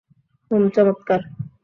হুম, চমৎকার।